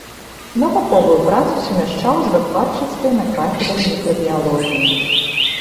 Навуковую працу сумяшчаў з выкладчыцкай на кафедры мікрабіялогіі.